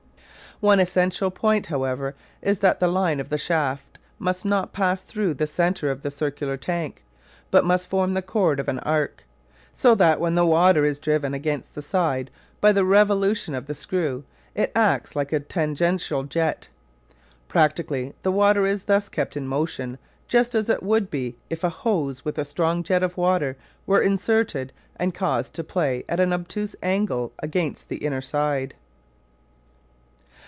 One essential point, however, is that the line of the shaft must not pass through the centre of the circular tank, but must form the chord of an arc, so that when the water is driven against the side by the revolution of the screw it acts like a tangential jet. Practically the water is thus kept in motion just as it would be if a hose with a strong jet of water were inserted and caused to play at an obtuse angle against the inner side.